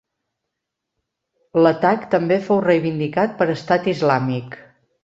L'atac també fou reivindicat per Estat Islàmic.